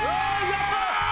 やったー！